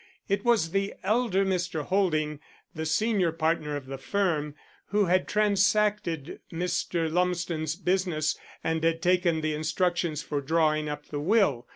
It was the elder Mr. Holding, the senior partner of the firm, who had transacted Mr. Lumsden's business and had taken the instructions for drawing up the will.